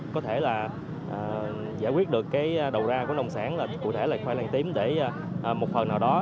có thể là giải quyết được cái đầu ra của nông sản là cụ thể là khoai lang tím để một phần nào đó